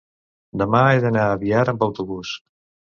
Demà he d'anar a Biar amb autobús.